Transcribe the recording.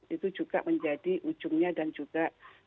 itu juga menjadi ujungnya dan juga